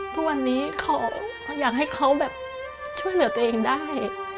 ทุกวันนี้เขาอยากให้เขาแบบช่วยเหลือตัวเองได้